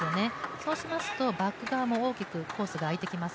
そうしますと、バック側も大きくコースが空いてきます。